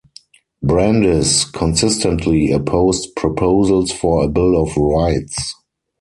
Brandis consistently opposed proposals for a bill of rights.